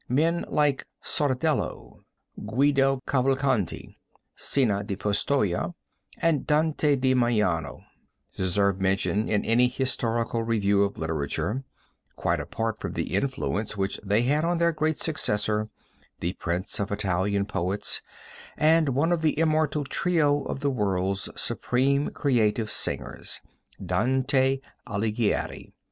Men like Sordello, Guido Cavalcanti, Cino da Pistoia, and Dante da Maiano, deserve mention in any historical review of literature, quite apart from the influence which they had on their great successor, the Prince of Italian poets and one of the immortal trio of the world's supreme creative singers Dante Alighieri.